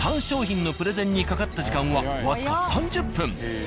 ３商品のプレゼンにかかった時間は僅か３０分。